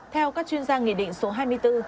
theo các chuyên gia nghị định số hai mươi bốn